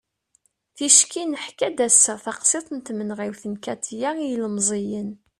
ticki neḥka-d ass-a taqsiḍt n tmenɣiwt n katia i yilmeẓyen